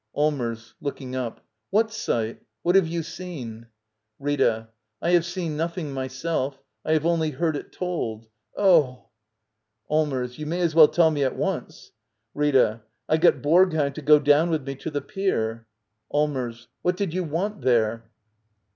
Allmers. [Looking up.] What sight? What have you seen? Rita. I have seen nothing myself. I have only heard it told. Oh —! Allmers. You may as well tell me at once. Rita. I got Borgheim to go down with me to the pier — AxLMERS. What did you want there?